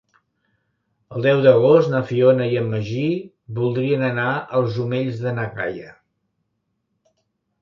El deu d'agost na Fiona i en Magí voldrien anar als Omells de na Gaia.